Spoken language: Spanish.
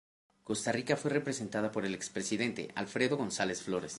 Costa Rica fue representada por el expresidente Alfredo González Flores.